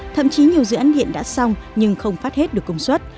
thậm chí nhiều dự án điện đã xong nhưng không phát hết được công suất